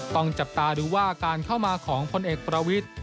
ต้องจับตาดูว่าการเข้ามาของพลเอกประวิทธิ